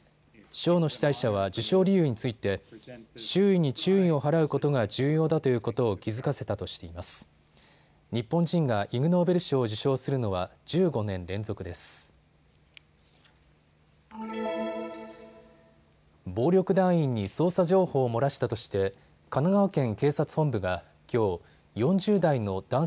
賞の主催者は授賞理由について周囲に注意を払うことが重要だということを気付かせたとしています。